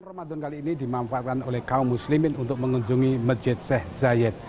ramadan kali ini dimanfaatkan oleh kaum muslimin untuk mengunjungi masjid sheikh zayed